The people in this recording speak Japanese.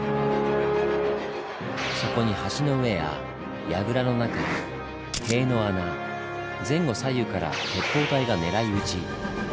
そこに橋の上や櫓の中塀の穴前後左右から鉄砲隊が狙い撃ち。